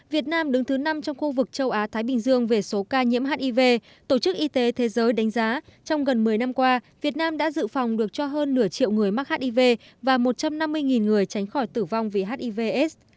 việt nam đứng thứ năm trong khu vực châu á thái bình dương về số ca nhiễm hiv tổ chức y tế thế giới đánh giá trong gần một mươi năm qua việt nam đã dự phòng được cho hơn nửa triệu người mắc hiv và một trăm năm mươi người tránh khỏi tử vong vì hiv aids